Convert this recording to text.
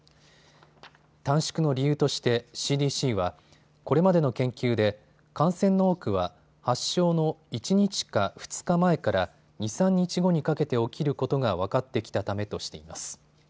短縮の理由としてＣＤＣはこれまでの研究で感染の多くは発症の１日か２日前から２、３日後にかけて起きることが分かってきたためとしています。